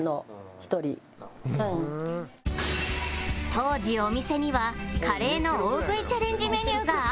当時お店にはカレーの大食いチャレンジメニューがあったそうで